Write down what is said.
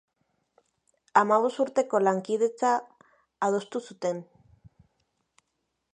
Hamabost urteko lankidetza adostu zuten.